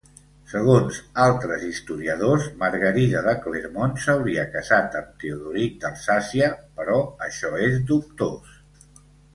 Segons altres historiadors Margarida de Clermont s'hauria casat amb Teodoric d'Alsàcia però això és dubtós.